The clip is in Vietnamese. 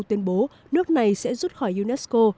tuyên bố nước này sẽ rút khỏi unesco